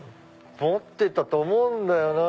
持ってたと思うんだよな。